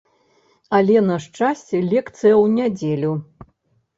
Але на шчасце лекцыя ў нядзелю!